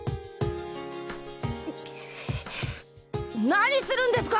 何するんですか！